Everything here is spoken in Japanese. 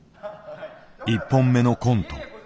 １本目のコント